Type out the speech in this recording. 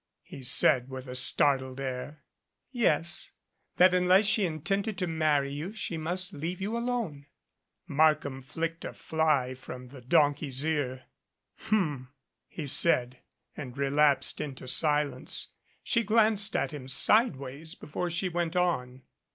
he said, with a startled air. "Yes, that unless she intended to marry you she must leave you alone." Markham flicked a fly from the donkey's ear. 155 MADCAP "H m," he said, and relapsed into silence. She glanced at him sideways before she went on.